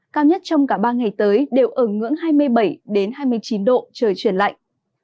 cao nhất trong cả ba ngày tới đều ở ngưỡng hai mươi bảy hai mươi chín độ trời chuyển lạnh